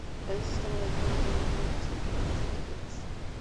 El sistema de juego es el mismo de las temporadas anteriores.